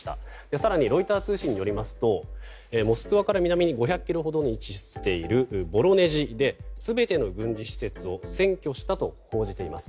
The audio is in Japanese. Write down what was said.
更に、ロイター通信によりますとモスクワから南に５００ｋｍほどの場所に位置するボロネジで全ての軍事施設を占拠したと報じています。